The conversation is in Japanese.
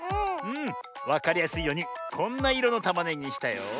わかりやすいようにこんないろのたまねぎにしたよ。